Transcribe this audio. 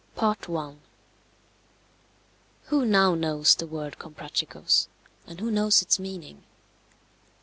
I. Who now knows the word Comprachicos, and who knows its meaning?